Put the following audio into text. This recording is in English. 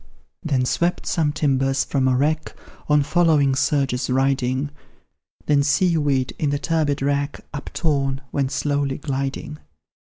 Then swept some timbers from a wreck. On following surges riding; Then sea weed, in the turbid rack Uptorn, went slowly gliding.